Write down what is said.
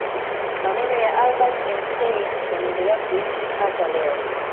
maneno ya albert einstein yameendelea kuishi hata leo